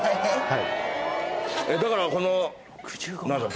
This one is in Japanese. だからこの。